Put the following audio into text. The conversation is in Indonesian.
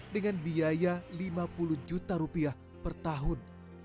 dengan biaya lima puluh juta rupiah per tahun